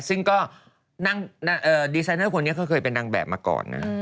ซึ่งก็ดีไซเนอร์คนนี้เขาเคยเป็นนางแบบมาก่อนนะ